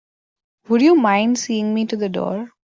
Would you mind seeing me to the door?